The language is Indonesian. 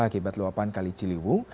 akibat luapan kali ciliwung